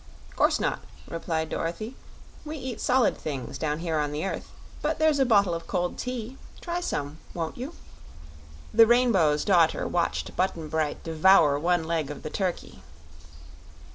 "'Course not," replied Dorothy. "We eat solid things, down here on the earth. But there's a bottle of cold tea. Try some, won't you?" The Rainbow's Daughter watched Button Bright devour one leg of the turkey.